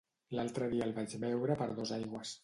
L'altre dia el vaig veure per Dosaigües.